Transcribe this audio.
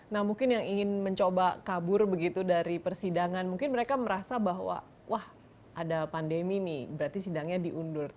nah mungkin yang ingin mencoba kabur begitu dari persidangan mungkin mereka merasa bahwa wah ada pandemi nih berarti sidangnya diundur